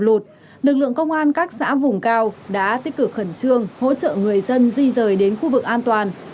lụt lực lượng công an các xã vùng cao đã tích cực khẩn trương hỗ trợ người dân di rời đến khu vực an toàn